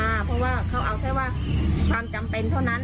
เพราะว่าเขาเอาแค่ว่าความจำเป็นเท่านั้น